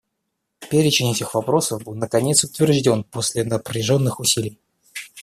Перечень этих вопросов был наконец утвержден после напряженных усилий.